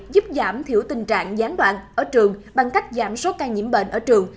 giúp giảm thiểu tình trạng gián đoạn ở trường bằng cách giảm số ca nhiễm bệnh ở trường